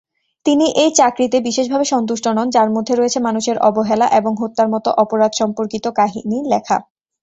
তিনি এই চাকরিতে বিশেষভাবে সন্তুষ্ট নন, যার মধ্যে রয়েছে মানুষের অবহেলা এবং হত্যার মতো অপরাধ সম্পর্কিত কাহিনী লেখা।